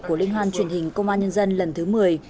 của liên hoan truyền hình công an nhân dân lần thứ một mươi